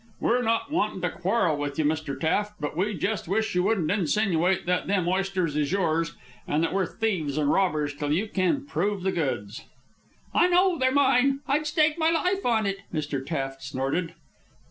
We're not wantin' to quarrel with you, Mr. Taft, but we jes' wish you wouldn't insinuate that them oysters is yours an' that we're thieves an' robbers till you can prove the goods." "I know they're mine; I'd stake my life on it!" Mr. Taft snorted.